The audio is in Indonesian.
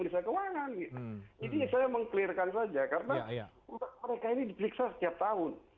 ini saya meng clearkan saja karena mereka ini diperiksa setiap tahun